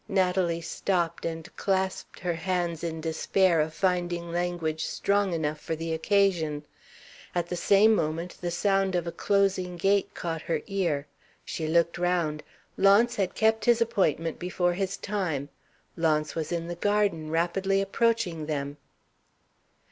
Natalie stopped, and clasped her hands in despair of finding language strong enough for the occasion. At the same moment the sound of a closing gate caught her ear. She looked round. Launce had kept his appointment before his time. Launce was in the garden, rapidly approaching them.